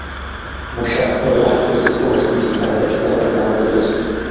Mošav byl vyhlášen turistickou vesnicí a je zde četné ubytování pro turisty.